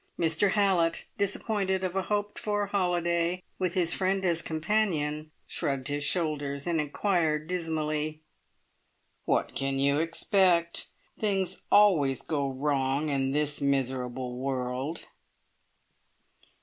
Mr Hallett, disappointed of a hoped for holiday with his friend as companion, shrugged his shoulders, and inquired dismally: "What can you expect? Things always go wrong in this miserable world!"